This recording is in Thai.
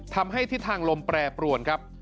ทำให้ทิศทางลมแปรปรวนครับ